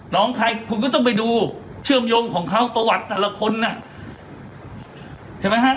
น้องใครคุณก็ต้องไปดูเชื่อมโยงของเขาประวัติแต่ละคนน่ะใช่ไหมฮะ